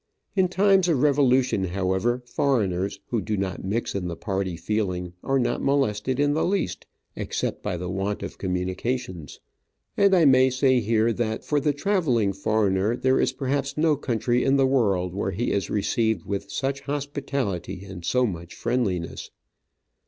In times of revolution, however, foreigners who do not mix in the party feeling are not molested in the least, except by the want of communications, and I may say here that for the travelling foreigner there is perhaps no country in the world where he is received with such hospitality and so much friendliness.